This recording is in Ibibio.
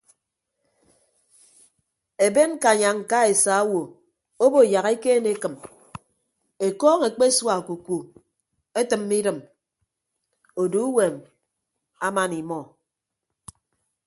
Eben ñkanya ñka esa owo obo yak ekeene ekịm ekọọñ ekpesua okuku etịmme idịm odu uwom aman imọ.